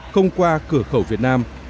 không qua cửa khẩu việt nam